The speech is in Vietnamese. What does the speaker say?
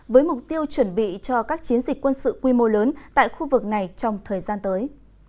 với mục tiêu chuẩn bị cho các chiến dịch quân sự quy mô lớn tại khu vực này trong thời gian tới